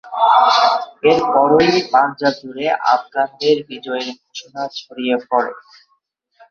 এরপরই পাঞ্জাব জুড়ে আফগানদের বিজয়ের ঘোষণা ছড়িয়ে পরে।